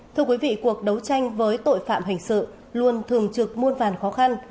thưa quý vị cuộc đấu tranh với tội phạm hình sự luôn thường trực muôn vàn khó khăn